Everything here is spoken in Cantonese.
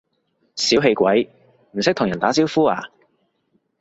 小氣鬼，唔識同人打招呼呀？